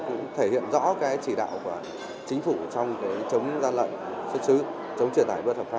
cũng thể hiện rõ chỉ đạo của chính phủ trong chống gian lận xuất xứ